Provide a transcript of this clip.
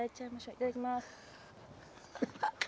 いただきます。